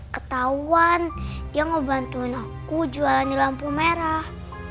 ketahuan dia ngebantuin aku jualan di lampu merah